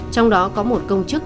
trong đó có một công chức